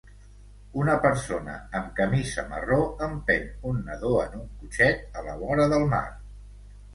Una persona amb camisa marró empeny un nadó en un cotxet a la vora del mar